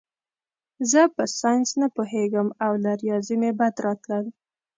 زه په ساینس نه پوهېږم او له ریاضي مې بد راتلل